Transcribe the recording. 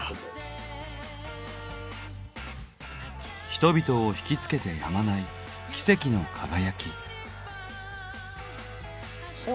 人々をひきつけてやまない奇跡の輝き。